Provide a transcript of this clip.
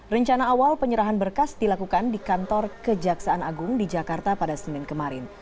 rencana awal penyerahan berkas dilakukan di kantor kejaksaan agung di jakarta pada senin kemarin